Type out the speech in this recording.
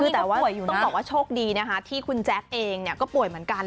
แต่ว่าต้องบอกว่าโชคดีนะคะที่คุณแจ๊คเองก็ป่วยเหมือนกัน